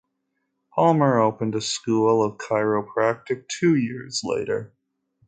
Palmer opened a school of chiropractic two years later.